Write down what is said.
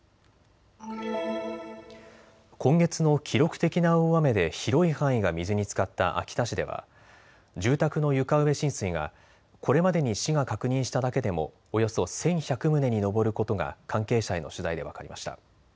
今月の記録的な大雨で広い範囲が水につかった秋田市では住宅の床上浸水がこれまでに市が確認しただけでもおよそ１１００棟に上ることが関係者への取材で分かりました。